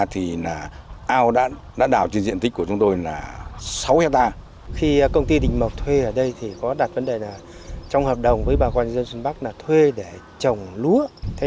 thế nhưng mà sau năm năm thì hiện nay chúng tôi thấy là công ty đình mộc đã không thực hiện đúng theo hợp đồng đã chuyển đổi một số thửa ruộng của bà con